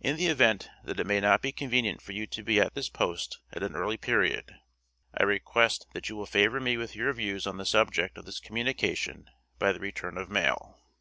In the event that it may not be convenient for you to be at this post at an early period, I request that you will favor me with your views on the subject of this communication by the return of mail."